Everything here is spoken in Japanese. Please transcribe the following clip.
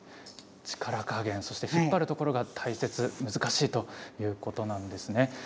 力加減そして、引っ張るところが大切、難しいということなんですね。